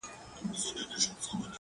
يو ليك-